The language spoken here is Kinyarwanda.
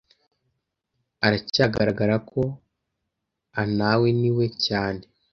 aracyagaragara ko anaweniwe cyane.